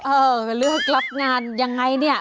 เออไปเลือกรับงานยังไงเนี่ย